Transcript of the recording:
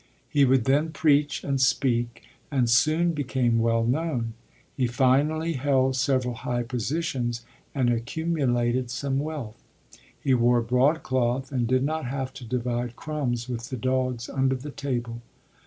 He would then preach and speak, and soon became well known. He finally held several high positions and accumulated some wealth. He wore broadcloth and did not have to divide crumbs with the dogs under the table.